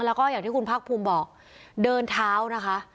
แล้วก็อย่างที่คุณภาคภูมิบอกเดินเท้านะคะ